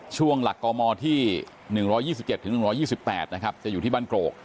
ช่วงหลักกมที่๑๒๗๑๒๘นะครับจะอยู่ที่บ้านกรก